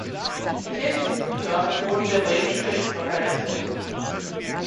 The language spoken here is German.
Die kirchlichen Güter wurden der bremischen Gerichtsbarkeit entzogen.